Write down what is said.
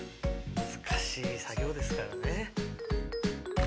難しい作業ですからね。